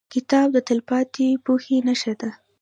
کتاب د تلپاتې پوهې نښه ده.